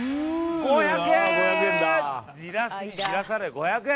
５００円！